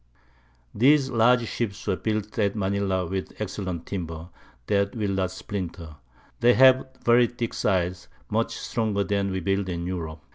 These large Ships are built at Manila with excellent Timber, that will not splinter; they have very thick Sides, much stronger than we build in Europe.